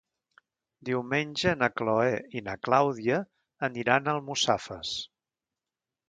Diumenge na Chloé i na Clàudia aniran a Almussafes.